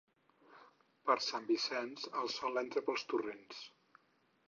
Per Sant Vicenç el sol entra pels torrents.